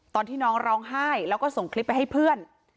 ตอนที่น้องร้องไห้แล้วก็ส่งคลิปไปให้เพื่อน